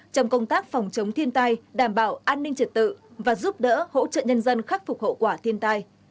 trong công tác phòng chống thiên tai đảm bảo an ninh trật tự và giúp đỡ hỗ trợ nhân dân khắc phục hậu quả thiên tai